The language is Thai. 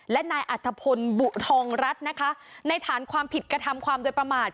และนายอัธพลบุทองรัฐนะคะในฐานความผิดกระทำความโดยประมาท